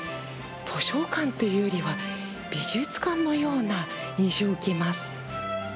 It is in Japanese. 図書館というよりは、美術館のような印象を受けます。